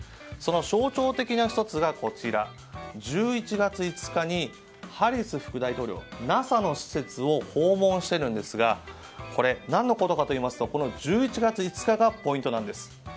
その象徴的な１つが１１月５日にハリス副大統領ＮＡＳＡの施設を訪問しているんですが何のことかといいますと１１月５日がポイントなんです。